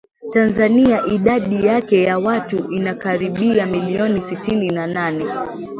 Tanzania idadi yake ya watu inakaribia milioni sitini na nane